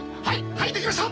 はいできました！